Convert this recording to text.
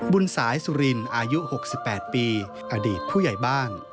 บุญสายสุรินอายุ๖๘ปีอดีตผู้ใหญ่บ้าน